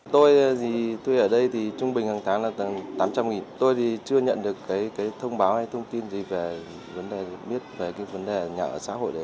tôi thì tôi ở đây thì trung bình hàng tháng là tám trăm linh tôi thì chưa nhận được cái thông báo hay thông tin gì về vấn đề biết về cái vấn đề nhà ở xã hội đấy